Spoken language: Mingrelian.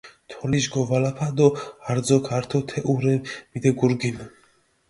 თოლიშ გოვალაფა დო არძოქ ართო თეჸურე მიდეგურგინჷ.